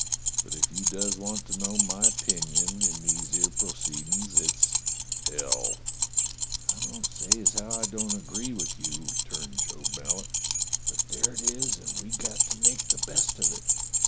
But if you does want to know my opinion in these 'ere proceedin's, it's — hell !" "I don't say as how I don't agree with you," returned Job Mallet, "but there it is and we've got to make the best of it.